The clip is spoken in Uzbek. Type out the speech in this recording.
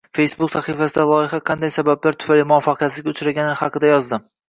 Facebook sahifasida loyiha qanday sabablar tufayli muvaffaqiyatsizlikka uchragani haqida yozdi.